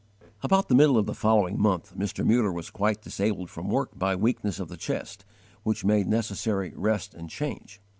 About the middle of the following month, Mr. Muller was quite disabled from work by weakness of the chest, which made necessary rest and change.